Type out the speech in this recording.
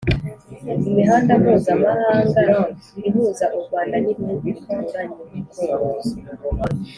imihanda mpuzamahanga ihuza u Rwanda n’ibihugu bituranye